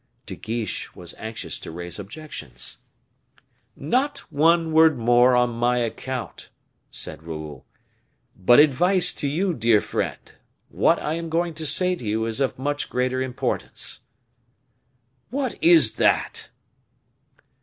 De Guiche was anxious to raise objections. "Not one word more on my account," said Raoul; "but advice to you, dear friend; what I am going to say to you is of much greater importance." "What is that?"